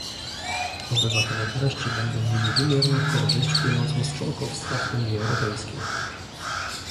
Obywatele wreszcie będą mieli wymierną korzyść płynącą z członkostwa w Unii Europejskiej